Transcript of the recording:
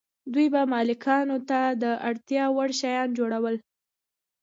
دوی به مالکانو ته د اړتیا وړ شیان جوړول.